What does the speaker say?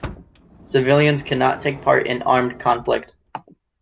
Civilians cannot take part in armed conflict.